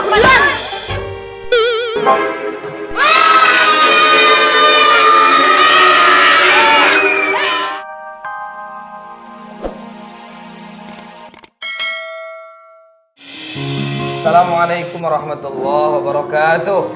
assalamualaikum warahmatullahi wabarakatuh